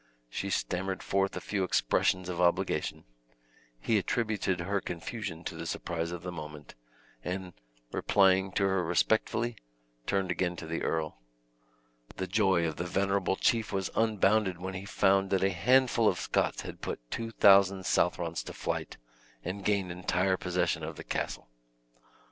She stammered forth a few expressions of obligation; he attributed her confusion to the surprise of the moment, and, replying to her respectfully, turned again to the earl. The joy of the venerable chief was unbounded, when he found that a handful of Scots had put two thousand Southrons to flight, and gained entire possession of the castle.